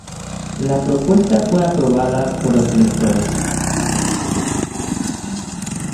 La propuesta fue aprobada por los electores.